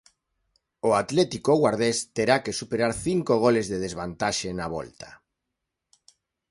O Atlético Guardés terá que superar cinco goles de desvantaxe na volta.